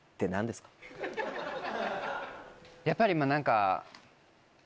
やっぱり何か。